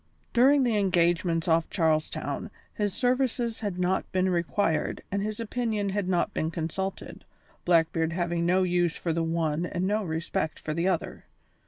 During the engagements off Charles Town his services had not been required and his opinion had not been consulted, Blackbeard having no use for the one and no respect for the other.